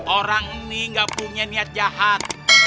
orang ini gak punya niat jahat